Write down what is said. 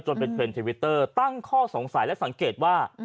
จนเป็นเทรนด์ทวิตเตอร์ตั้งข้อสงสัยและสังเกตว่า